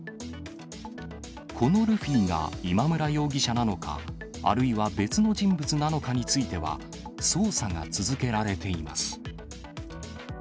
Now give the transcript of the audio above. このルフィが今村容疑者なのか、あるいは別の人物なのかについては、捜査が続けられています。